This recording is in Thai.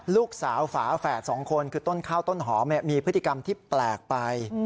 ลูกสาวฝาแฝดสองคนคือต้นข้าวต้นหอมมีพฤติกรรมที่แปลกไป